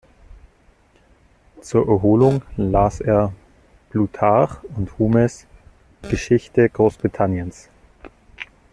Zur Erholung las er Plutarch und Humes "Geschichte Großbritanniens".